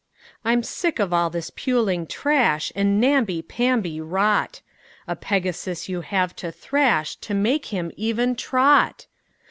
I'm sick of all this puling trash And namby pamby rot, A Pegasus you have to thrash To make him even trot!